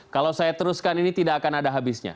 kalau saya teruskan ini tidak akan ada habisnya